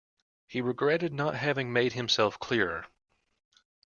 He regretted not having made himself clearer.